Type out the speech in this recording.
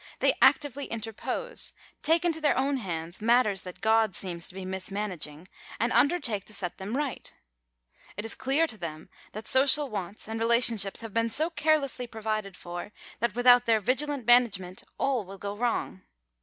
They actively interpose, take into their own hands matters that God seems to be mismanaging, and undertake to set them right ! It is clear to them that social wants and relationships have been so carelessly provided for, that without their vigilant manage ment all will go wrong.